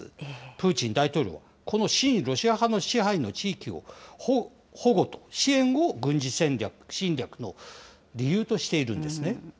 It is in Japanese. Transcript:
プーチン大統領、この親ロシア派の支配の地域を保護と支援を軍事侵略の理由としているんですね。